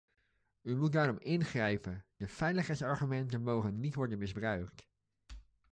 U moet daarom ingrijpen, de veiligheidsargumenten mogen niet worden misbruikt.